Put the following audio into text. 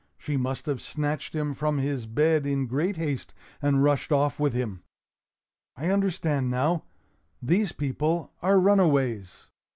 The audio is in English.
She must have snatched him from his bed in great haste and rushed off with him. I understand now: these people are runaways.